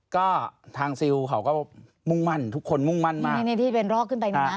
ก็ทางซิลเขาก็มุ่งมั่นทุกคนมุ่งมั่นมาก